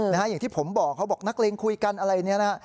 อย่างที่ผมบอกเขาบอกนักเลงคุยกันอะไรเนี่ยนะฮะ